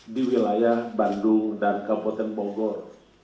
re ppk pada dinas pupr kabupaten bogor